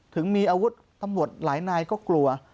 ถึงมีอาวุธตำรวจหลายนายก็กลัว